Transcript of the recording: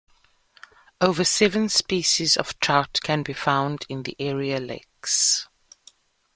Over seven species of trout can be found in the area lakes.